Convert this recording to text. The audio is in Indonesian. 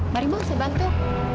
mari bu saya bantu